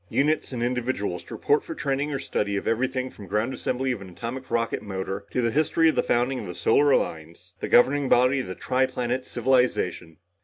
Units and individuals to report for training or study in everything from ground assembly of an atomic rocket motor, to the history of the founding of the Solar Alliance, the governing body of the tri planet civilization.